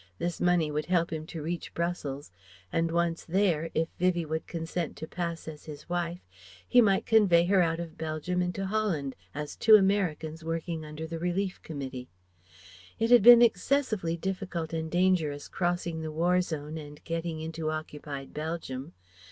This money would help him to reach Brussels and once there, if Vivie would consent to pass as his wife, he might convey her out of Belgium into Holland, as two Americans working under the Relief Committee. It had been excessively difficult and dangerous crossing the War zone and getting into occupied Belgium.